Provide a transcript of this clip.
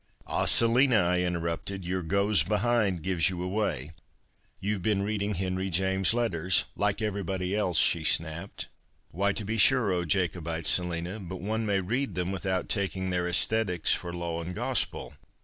" Ah, Selina, ' I interrupted, " your ' goes behind ' gives you away. You've been reading Henry James's letters.'' " Like everybody else," she snapped. " Why, to be sure, oh Jacobite Selina, but one may read them without taking their asthetics for law and gospel.